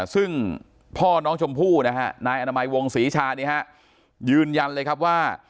ซึ่งพ่อน้องชมพู่นะฮะนายอนามัยวงศรีชายืนยันเลยครับว่า